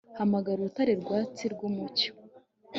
hamagara urutare rwatsi rwumucyo